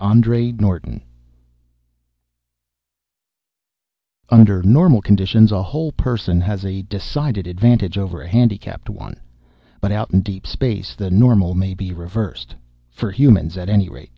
Andrew North_ Under normal conditions a whole person has a decided advantage over a handicapped one. But out in deep space the normal may be reversed for humans at any rate.